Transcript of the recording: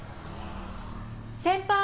先輩！